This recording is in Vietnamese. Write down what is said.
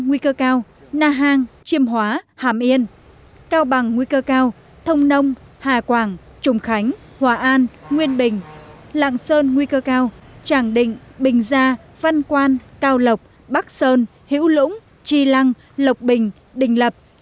nguy cơ cao na hàng chiêm hóa hàm yên cao bằng nguy cơ cao thông nông hà quảng trùng khánh hòa an nguyên bình lạng sơn nguy cơ cao tràng định bình gia văn quan cao lộc bắc sơn hữu lũng chi lăng lộc bình đình lập